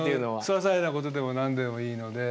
ささいなことでも何でもいいので。